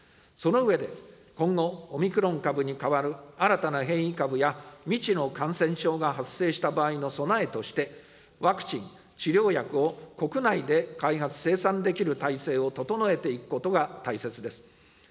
その上で、今後、オミクロン株に替わる新たな変異株や未知の感染症が発生した場合の備えとして、ワクチン、治療薬を国内で開発・生産できる体制を整えていくことが大切です。